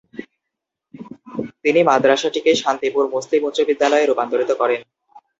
তিনি মাদ্রাসাটিকে শান্তিপুর মুসলিম উচ্চ বিদ্যালয়ে রূপান্তর করেন।